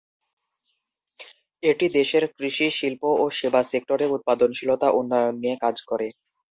এটি দেশের কৃষি, শিল্প ও সেবা সেক্টরে উৎপাদনশীলতা উন্নয়ন নিয়ে কাজ করে।